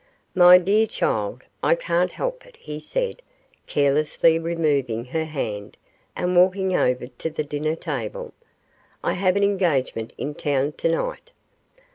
'My dear child, I can't help it,' he said, carelessly removing her hand and walking over to the dinner table; 'I have an engagement in town tonight.